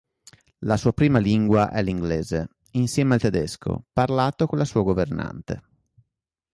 La sua prima lingua è l'inglese, insieme al tedesco, parlato con la sua governante.